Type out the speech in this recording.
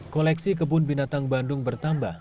koleksi kebun binatang bandung bertambah